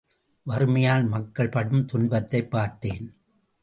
வறுமையால் மக்கள் படும் துன்பத்தைப் பார்த்தேன்.